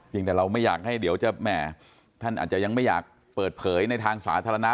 ยังแต่เราไม่อยากให้เดี๋ยวจะแหม่ท่านอาจจะยังไม่อยากเปิดเผยในทางสาธารณะ